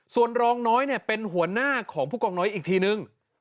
ส่วนรองน้อยเป็นหัวหน้าของผู้กองน้อยอีกทีนึง